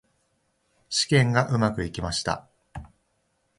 試験がうまくいきました。